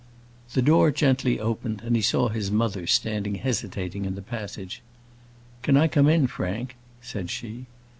The door gently opened, and he saw his mother standing hesitating in the passage. "Can I come in, Frank?" said she.